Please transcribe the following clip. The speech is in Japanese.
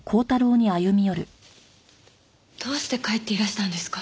どうして帰っていらしたんですか？